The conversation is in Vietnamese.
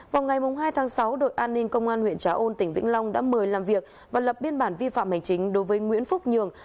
vào ngày hai tháng sáu đội an ninh công an huyện trà ôn tỉnh vĩnh long đã mời làm việc và lập biên bản vi phạm hành chính đối với nguyễn phúc nhường